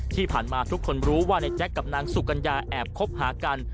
ที่ผ่านมาทุกคนรู้ว่าในแจ๊คกับนางสุกัญญาแอบคบหากัน